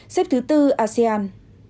xếp thứ bốn asean